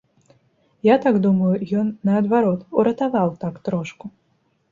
Я так думаю, ён, наадварот, уратаваў так трошку.